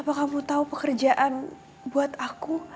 apa kamu tahu pekerjaan buat aku